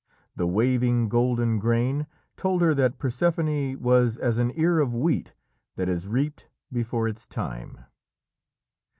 The waving golden grain told her that Persephone was as an ear of wheat that is reaped before its time.